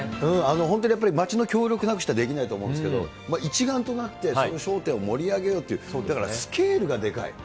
本当にやっぱり街の協力なくしてできないと思うんですけど、一丸となってその商店を盛り上げようっていう、だからね、スケールがでかい。